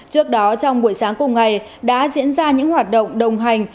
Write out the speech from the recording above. trước đó trong buổi sáng cùng ngày đã diễn ra những hoạt động đồng hành